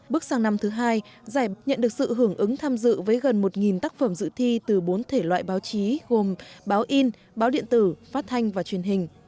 bước sang năm thứ hai giải nhận được sự hưởng ứng tham dự với gần một tác phẩm dự thi từ bốn thể loại báo chí gồm báo in báo điện tử phát thanh và truyền hình